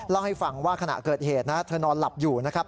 เล่าให้ฟังว่าขณะเกิดเหตุนะเธอนอนหลับอยู่นะครับ